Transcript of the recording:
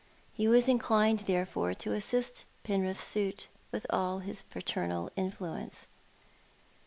He was inclined, therefore, to assist Penrith's suit with all his paternal influence.